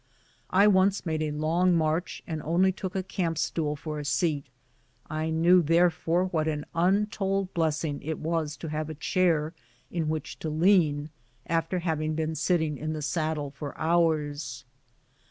I once made a long march and only took a camp stool for a seat; I knew therefore what an untold bless ing it was to have a chair in which to lean, after having been sitting in the saddle for hours.